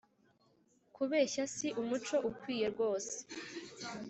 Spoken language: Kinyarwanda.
kubeshya, si umuco ukwiye rwose